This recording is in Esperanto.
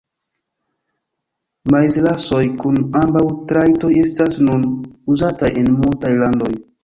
Maizrasoj kun ambaŭ trajtoj estas nun uzataj en multaj landoj.